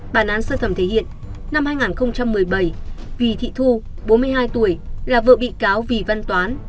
bản án sơ thẩm thể hiện năm hai nghìn một mươi bảy vì thị thu bốn mươi hai tuổi là vợ bị cáo vì văn toán